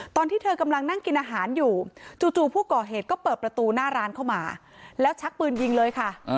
ตอนที่เธอกำลังนั่งกินอาหารอยู่จู่ผู้ก่อเหตุก็เปิดประตูหน้าร้านเข้ามาแล้วชักปืนยิงเลยค่ะ